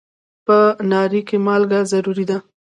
په ناري کې مالګه ضروري ده.